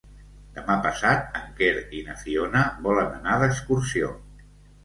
Demà passat en Quer i na Fiona volen anar d'excursió.